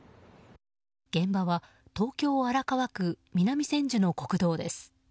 現場は東京・荒川区南千住の国道です。